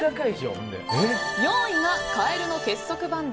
４位がカエルの結束バンド。